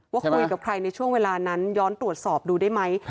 คุยกับใครในช่วงเวลานั้นย้อนตรวจสอบดูได้ไหม